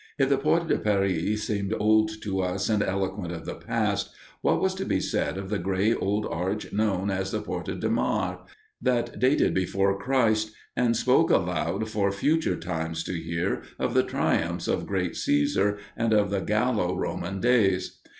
If the Porte de Paris seemed old to us and eloquent of the past, what was to be said of the gray old arch known as the Porte de Mars, that dated before Christ and "spoke aloud for future times to hear" of the triumphs of great Cæsar and of the Gallo Roman days?